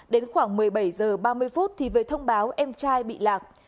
đến khoảng một mươi bảy h ba mươi phút thì về thông báo em trai bị lạc